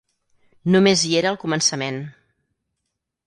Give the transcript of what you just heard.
Només hi era al començament.